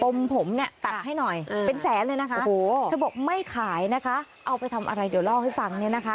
ปมผมนี้ตัดให้หน่อยเป็นแสนเลยเขาบอกไม่ขายเอาไปทำอะไรแยกเลิกให้ฟัง